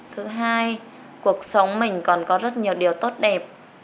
thứ hai cuộc sống mình còn có rất nhiều điều tốt đẹp